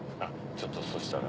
ちょっとそしたら。